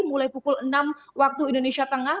mulai pukul enam waktu indonesia tengah